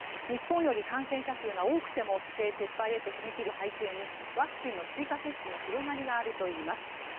日本より感染者数が多くても規制撤廃に踏み切る背景にワクチンの追加接種の広がりがあるといいます。